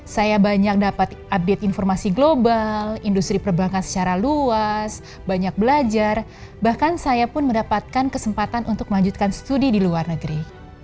saya banyak dapat update informasi global industri perbankan secara luas banyak belajar bahkan saya pun mendapatkan kesempatan untuk melanjutkan studi di luar negeri